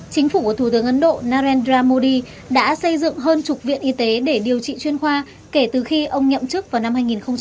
chính phủ của thủ tướng ấn độ narendra modi đã xây dựng hơn chục viện y tế để điều trị chuyên khoa kể từ khi ông nhậm chức vào năm hai nghìn một mươi